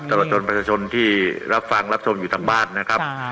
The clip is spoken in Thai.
ตลอดจนประชาชนที่รับฟังรับชมอยู่ทางบ้านนะครับ